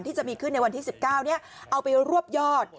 ที่จะมีขึ้นในวันที่๑๙เอาไปรวบยอด